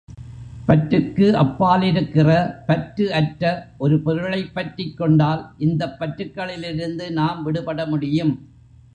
பற்றுக்கு அப்பால் இருக்கிற, பற்று அற்ற, ஒரு பொருளை பற்றிக் கொண்டால், இந்தப் பற்றுக்களிலிருந்து நாம் விடுபட முடியும்.